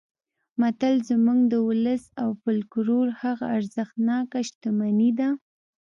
متل زموږ د ولس او فولکلور هغه ارزښتناکه شتمني ده